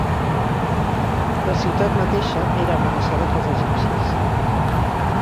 La ciutat mateixa era amenaçada pels egipcis.